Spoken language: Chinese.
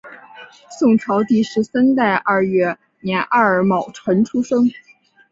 宋朝第十三代二月廿二戊辰出生。